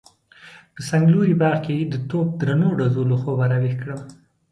په څنګلوري باغ کې د توپ درنو ډزو له خوبه راويښ کړم.